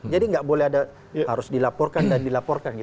jadi tidak boleh ada harus dilaporkan dan dilaporkan